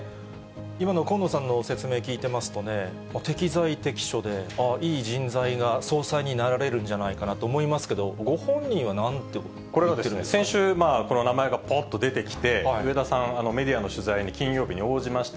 今の近野さんの説明を聞いてますとね、適材適所で、いい人材が総裁になられるんじゃないかなと思いますけれども、これは先週、この名前がぽっと出てきて、植田さん、メディアの取材に、金曜日に応じました。